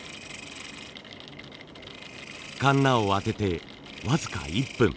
カンナを当てて僅か１分。